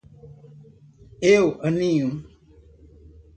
Eu aninho.